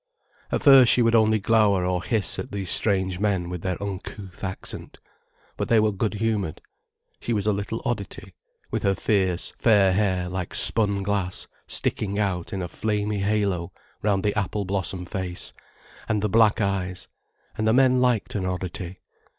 At first she would only glower or hiss at these strange men with their uncouth accent. But they were good humoured. She was a little oddity, with her fierce, fair hair like spun glass sticking out in a flamy halo round the apple blossom face and the black eyes, and the men liked an oddity.